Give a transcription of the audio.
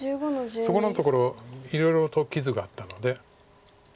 そこのところいろいろと傷があったので。